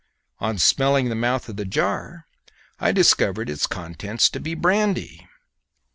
On smelling to the mouth of the jar I discovered its contents to be brandy.